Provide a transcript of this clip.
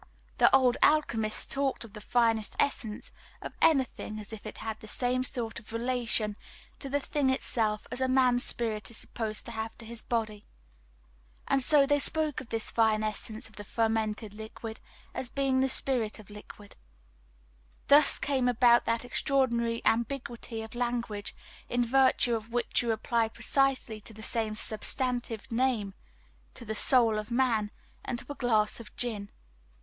The old alchemists talked of the finest essence of anything as if it had the same sort of relation to the thing itself as a man's spirit is supposed to have to his body; and so they spoke of this fine essence of the fermented liquid as being the spirit of the liquid. Thus came about that extraordinary ambiguity of language, in virtue of which you apply precisely the same substantive name to the soul of man and to a glass of gin!